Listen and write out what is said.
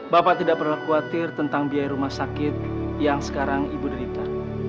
bapak tidak pernah khawatir tentang biaya rumah sakit yang sekarang ibu derita